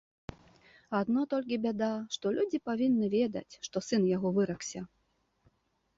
Адно толькі бяда, што людзі павінны ведаць, што сын яго выракся.